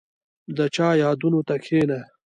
• د چا یادونو ته کښېنه.